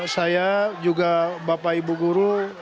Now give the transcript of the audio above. saya juga bapak ibu guru